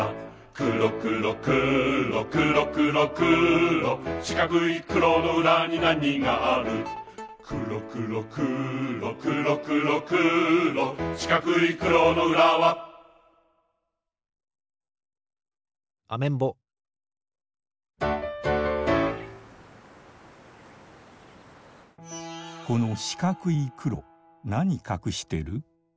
くろくろくろくろくろくろしかくいくろのうらになにがあるくろくろくろくろくろくろしかくいくろのうらはアメンボこのしかくいくろなにかくしてる？